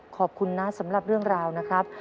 ขอบคุณนะสำหรับเรื่องราวนะครับ